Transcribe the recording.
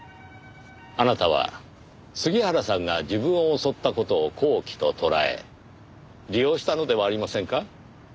あなたは杉原さんが自分を襲った事を好機ととらえ利用したのではありませんか？